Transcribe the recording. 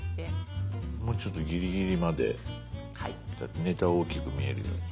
もうちょっとギリギリまでネタを大きく見えるように。